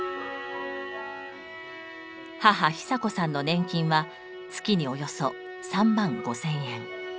母・ひさこさんの年金は月におよそ３万５，０００円。